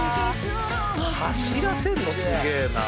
走らせんのすげえなあ。